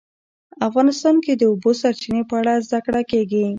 افغانستان کې د د اوبو سرچینې په اړه زده کړه کېږي.